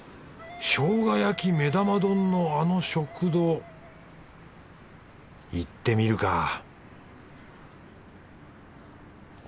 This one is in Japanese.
しょうが焼目玉丼のあの食堂行ってみるか